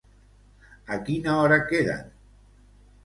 A quina hora queden?